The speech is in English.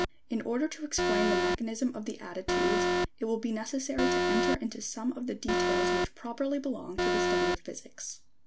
[In order to explain the mechanism of the attitudes it will be necessary to enter into some of the details which properly belong to the study of physics.